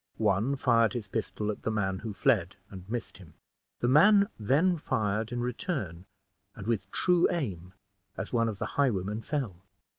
One fired his pistol at the man who fled, and missed him. The man then fired in return, and with true aim, as one of the highwaymen fell.